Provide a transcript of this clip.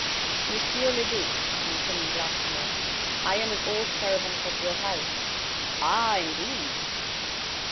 "Monsieur le Duc," continued Lacheneur, "I am an old servant of your house " "Ah! indeed!"